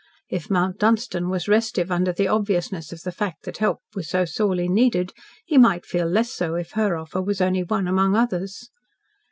If Mount Dunstan was restive under the obviousness of the fact that help was so sorely needed, he might feel less so if her offer was only one among others.